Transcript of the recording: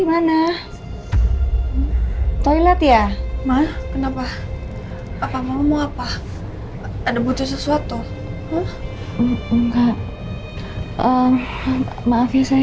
jauh lebih ke rumah